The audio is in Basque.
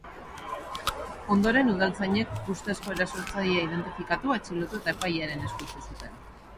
Ondoren, udaltzainek ustezko erasotzailea identifikatu, atxilotu eta epailearen esku utzi zuten.